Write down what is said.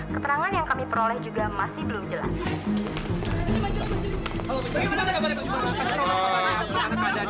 keterangan yang kami peroleh juga masih belum jelas